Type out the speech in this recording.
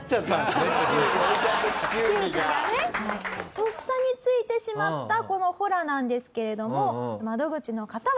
とっさについてしまったこのホラなんですけれども窓口の方は。